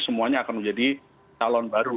semuanya akan menjadi calon baru